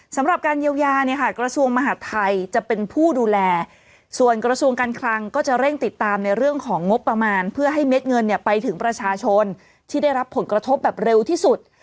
สำหรับการเยียวยาเนี่ยค่ะกระทรวงมหาดไทยจะเป็นผู้ดูแลส่วนกระทรวงการคลังก็จะเร่งติดตามในเรื่องของงบประมาณเพื่อให้เม็ดเงินเนี่ยไปถึงประชาชนที่ได้รับผลกระทบแบบเร็วที่สุด